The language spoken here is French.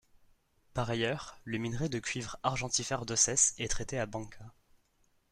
Par ailleurs, le minerai de cuivre argentifère d’Ossès est traité à Banca.